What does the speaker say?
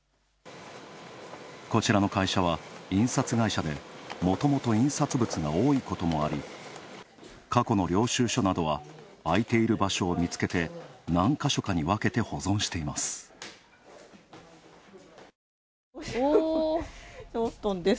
こちらの会社は、印刷会社で、もともと印刷物が多いこともあり過去の領収書などは空いている場所を見つけて何か所かに分けて保存しています。